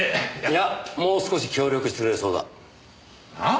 いやもう少し協力してくれるそうだ。はあ？